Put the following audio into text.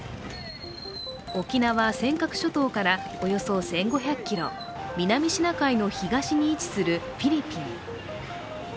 沖縄・尖閣諸島からおよそ１５００ｋｍ、南シナ海の東に位置するフィリピン。